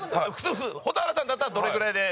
蛍原さんだったらどれぐらいで。